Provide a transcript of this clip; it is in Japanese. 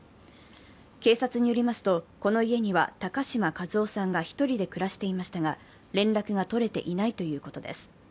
警察によりますとこの家には高島一夫さんが１人で暮らしていましたが、連絡が取れていないということです。